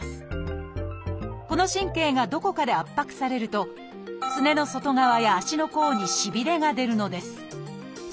この神経がどこかで圧迫されるとすねの外側や足の甲にしびれが出るのです。